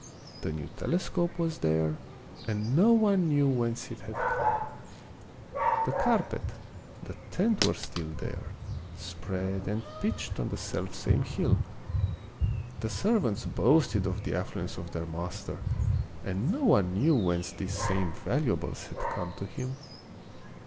The new telescope was there, and no one knew whence it had come ; the carpet, the of Peter Schlemihl. 23 tent were still there, spread and pitched on the selfsame hill ; the servants boasted of the afflu ence of their master, and no one knew whence these same valuables had come to him.